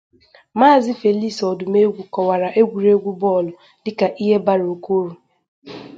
Maazị Felix Odumegwu kọwara egwuregwu bọọlụ dịka ihe bara oke uru